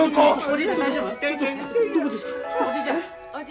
おじいちゃん